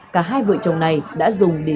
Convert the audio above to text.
cả hai vợ chồng này đã dùng để